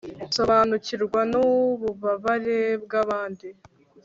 sobanukirwa n'ububabare bw'abandi